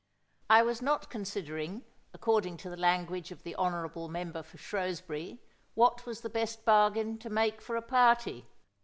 I was not considering, according to the language of the honorable member for Shrewsbury, what was the best bargain to make for a partj".